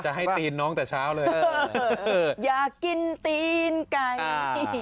ให้ตีนน้องแต่เช้าเลยอยากกินตีนไก่